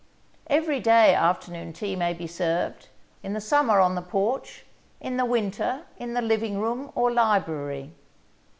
Every day afternoon tea may be served, in the summer on the porch, in the winter, in the living room or library.